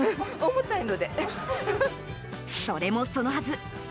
それもそのはず。